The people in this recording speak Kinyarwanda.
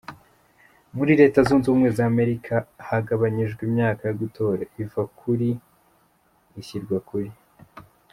Muri Leta zunze ubumwe za Amerika hagabanyijwe imyaka yo gutora, iva kuri ishyirwa kuri .